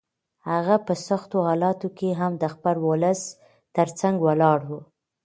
هغه په سختو حالاتو کې هم د خپل ولس تر څنګ ولاړ و.